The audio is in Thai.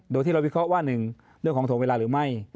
โดยที่เราวิเคราะห์ว่า๑เรื่องของถ่วงเวลาหรือไม่